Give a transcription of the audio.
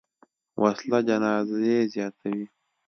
وسله جنازې زیاتوي